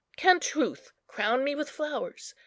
can truth crown me with flowers?